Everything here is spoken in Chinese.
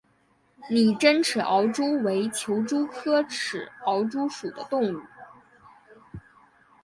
拟珍齿螯蛛为球蛛科齿螯蛛属的动物。